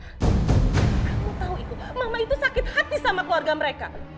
kamu tau iko mama itu sakit hati sama keluarga mereka